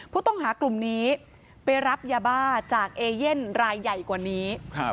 ผู้ต้องหากลุ่มนี้ไปรับยาบ้าจากเอเย่นรายใหญ่กว่านี้